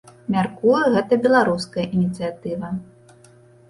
Мяркую, гэта беларуская ініцыятыва.